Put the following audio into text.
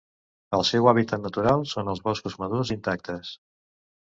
El seu hàbitat natural són els boscos madurs intactes.